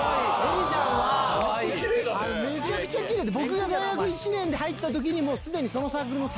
めちゃくちゃキレイで。